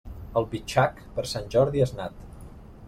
El bitxac per Sant Jordi és nat.